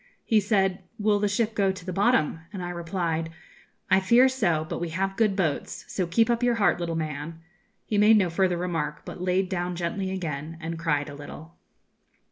He said, "Will the ship go to the bottom?" and I replied, "I fear so; but we have good boats, so keep up your heart, little man." He made no further remark, but laid down gently again, and cried a little.'